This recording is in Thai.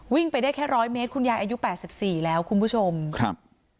ไปได้แค่ร้อยเมตรคุณยายอายุแปดสิบสี่แล้วคุณผู้ชมครับ